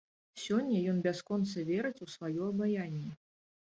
Сёння ён бясконца верыць у сваё абаянне.